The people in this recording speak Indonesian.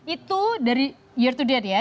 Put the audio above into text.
itu dari year to date ya